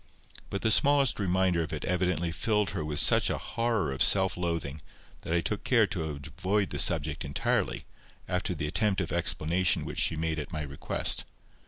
But the smallest reminder of it evidently filled her with such a horror of self loathing, that I took care to avoid the subject entirely, after the attempt at explanation which she made at my request.